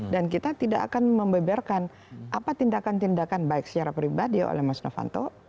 dan kita tidak akan membeberkan apa tindakan tindakan baik secara pribadi oleh mas novanto